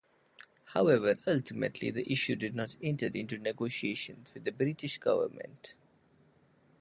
However ultimately the issue did not enter into negotiations with the British government.